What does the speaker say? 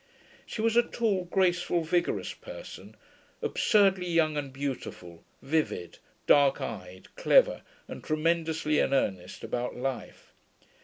She was a tall, graceful, vigorous person, absurdly young and beautiful, vivid, dark eyed, clever, and tremendously in earnest about life.